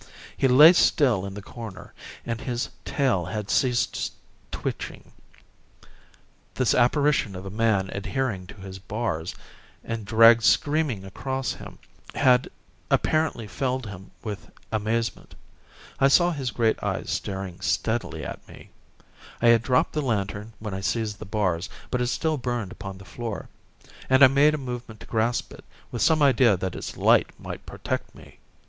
He lay still in the corner, and his tail had ceased switching. This apparition of a man adhering to his bars and dragged screaming across him had apparently filled him with amazement. I saw his great eyes staring steadily at me. I had dropped the lantern when I seized the bars, but it still burned upon the floor, and I made a movement to grasp it, with some idea that its light might protect me.